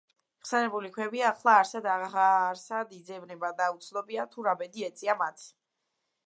ხსენებული ქვები ახლა არსად აღარსად იძებნება და უცნობია თუ რა ბედი ეწია მათ.